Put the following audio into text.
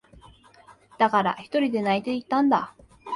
だから、ひとりで泣いていたんだ。